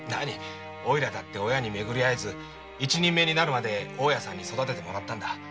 おいらだって親に巡り会えず一人前になるまで大家さんに育ててもらったんだ。